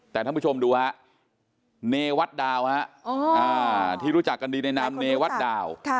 แต่ท่านผู้ชมดูฮะเนวัดดาวที่รู้จักกันดีในนามเนวัดดาว